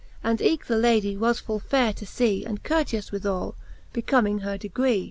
And eke the Lady was full faire to fee, And courteous withall, becomnjiing her degree. XXI.